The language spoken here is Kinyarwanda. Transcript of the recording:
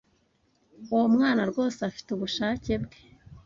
Uwo mwana rwose afite ubushake bwe.